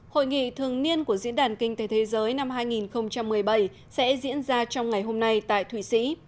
hội nghị thường niên của diễn đàn kinh tế thế giới năm hai nghìn một mươi bảy sẽ diễn ra trong ngày hôm nay tại thụy sĩ